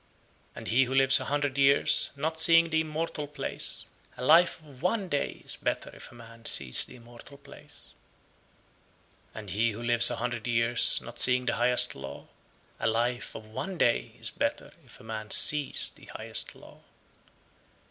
And he who lives a hundred years, not seeing the immortal place, a life of one day is better if a man sees the immortal place. 115. And he who lives a hundred years, not seeing the highest law, a life of one day is better if a man sees the highest law.